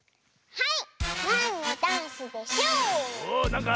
はい！